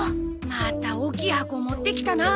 また大きい箱を持ってきたな。